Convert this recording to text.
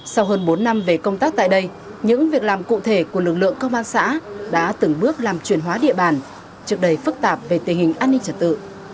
sau hơn bốn năm về công tác tại đây những việc làm cụ thể của lực lượng công an xã đã từng bước làm truyền hóa địa bàn trước đây phức tạp về tình hình an ninh trật tự